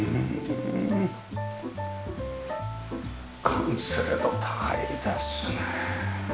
完成度高いですね。